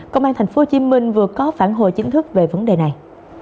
công an thành phố hồ chí minh vừa có phản hồi chính thức về vấn đề này